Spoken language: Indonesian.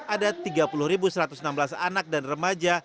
ada tiga puluh satu ratus enam belas anak dan remaja